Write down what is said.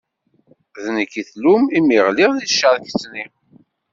D nekk i tlum imi ɣliɣ di tcerket-nni.